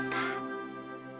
aku bukan sita